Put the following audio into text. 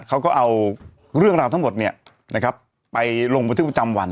เขาก็เอาเรื่องราวทั้งหมดเนี่ยนะครับไปลงมาที่ประจำวัน